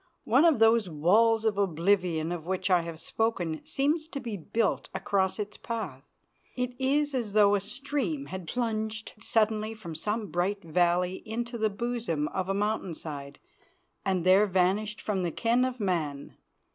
One of those walls of oblivion of which I have spoken seems to be built across its path. It is as though a stream had plunged suddenly from some bright valley into the bosom of a mountain side and there vanished from the ken of man.